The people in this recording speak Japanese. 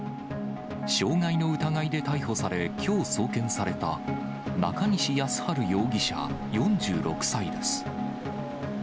傷害の疑いで逮捕され、きょう送検された中西靖治容疑者４６歳です。